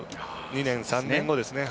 ２年、３年後ですね。